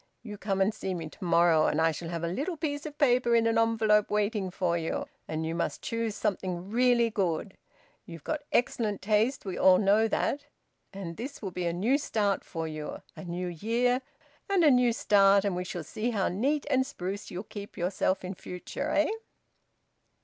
"You come and see me to morrow, and I shall have a little piece of paper in an envelope waiting for you. And you must choose something really good. You've got excellent taste, we all know that. And this will be a new start for you. A new year, and a new start, and we shall see how neat and spruce you'll keep yourself in future, eh?"